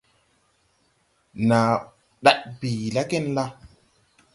Nàa ndaɗ bìi la genla?